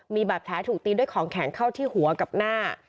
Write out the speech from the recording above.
มีบาดแผลถูกตีด้วยของแข็งเข้าที่หัวกับหน้า